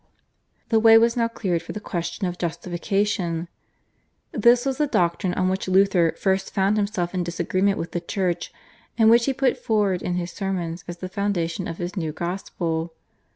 The way was now cleared for the question of Justification. This was the doctrine on which Luther first found himself in disagreement with the Church, and which he put forward in his sermons as the foundation of his new gospel.